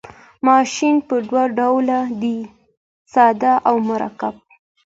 ماشین په دوه ډوله دی ساده او مرکب.